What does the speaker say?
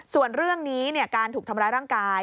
ส่วนเรื่องนี้การถูกทำร้ายร่างกาย